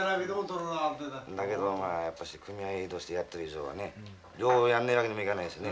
だけどもやっぱし組合としてやってる以上はね両方やんねえわけにもいかねえしね。